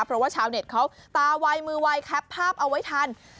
เพราะว่าชาวเน็ตเขาตาวัยมือไวแคปภาพเอาไว้ทัน